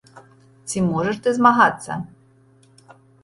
Ці можаш ты змагацца?